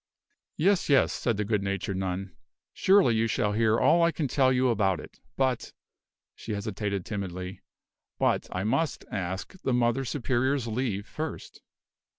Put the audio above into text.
"Yes, yes," said the good natured nun; "surely you shall hear all I can tell you about it; but " she hesitated timidly, "but I must ask the Mother Superior's leave first."